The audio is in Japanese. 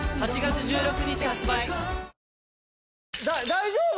大丈夫？